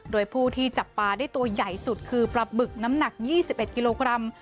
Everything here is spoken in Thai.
โดยผู้ที่จับปลาได้ตัวใหญ่สุดคือปลาบึกน้ำหนัก๒๑กิโลกรัม